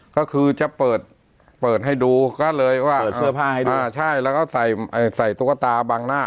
ก็คือจะเปิดเปิดให้ดูก็เลยว่าเปิดเสื้อผ้าให้ดูอ่าใช่แล้วก็ใส่ใส่ตุ๊กตาบังหน้า